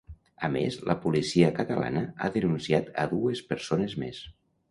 A més, la policia catalana ha denunciat a dues persones més.